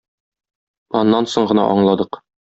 Аннан соң гына аңладык.